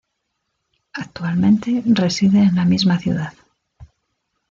Actualmente reside en la misma ciudad.